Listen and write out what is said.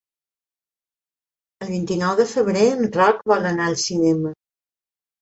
El vint-i-nou de febrer en Roc vol anar al cinema.